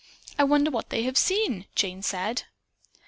"I wonder what they have seen?" Jane said.